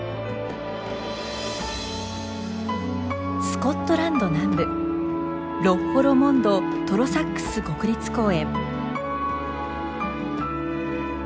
スコットランド南部ロッホ・ロモンド＝トロサックス国立公園。